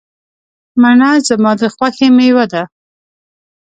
مڼه زما د خوښې مېوه ده.